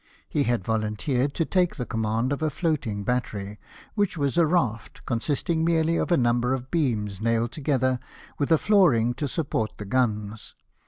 He had volunteered to take the command of a floating battery ; which was a raft, consisting merely of a number of beams nailed together, with a flooring to support the guns.